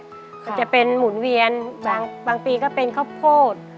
ก็จะเป็นหมุนเวียนบางปีก็เป็นข้าวโพด